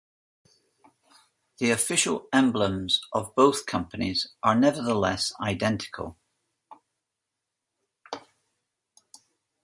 The official emblems of both companies are nevertheless identical.